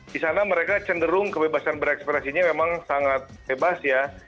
di sana mereka cenderung kebebasan berekspresinya memang sangat bebas ya